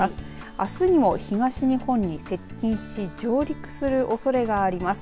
あすにも東日本に接近し上陸するおそれがあります。